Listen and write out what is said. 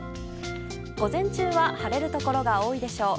午前中は晴れるところが多いでしょう。